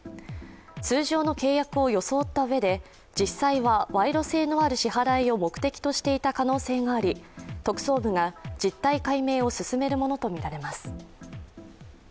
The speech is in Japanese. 通常の契約を装った上で実際は賄賂性のある支払いを目的としていた可能性があり、特捜部が実態解明を進めるものとみられます。